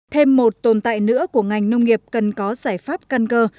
thêm một tồn tại nữa của ngành nông nghiệp cần có giải pháp căn cơ